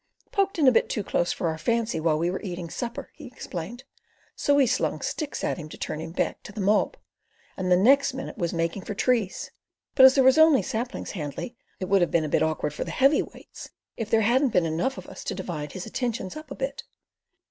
"Poked in a bit too close for our fancy while we were at supper," he explained, "so we slung sticks at him to turn him back to the mob, and the next minute was making for trees, but as there was only saplings handy, it would have been a bit awkward for the heavy weights if there hadn't have been enough of us to divide his attentions up a bit."